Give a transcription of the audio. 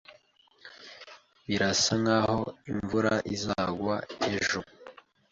Birasa nkaho imvura izagwa ejo.